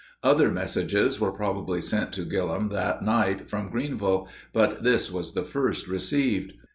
Other messages were probably sent to Gillem that night from Greeneville, but this was the first received.